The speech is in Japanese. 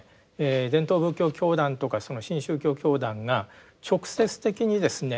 伝統仏教教団とか新宗教教団が直接的にですね